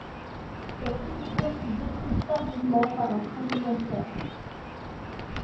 La sculpture fut détruite tardivement par un tremblement de terre.